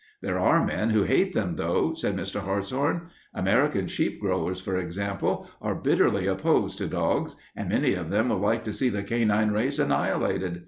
"There are men who hate them, though," said Mr. Hartshorn. "American sheep growers, for example, are bitterly opposed to dogs, and many of them would like to see the canine race annihilated.